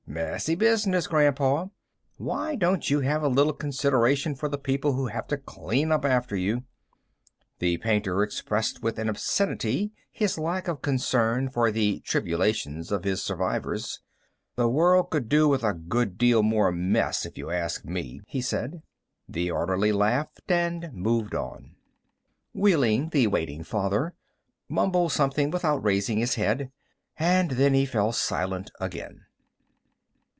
"Messy business, Grandpa. Why don't you have a little consideration for the people who have to clean up after you?" The painter expressed with an obscenity his lack of concern for the tribulations of his survivors. "The world could do with a good deal more mess, if you ask me," he said. The orderly laughed and moved on. Wehling, the waiting father, mumbled something without raising his head. And then he fell silent again.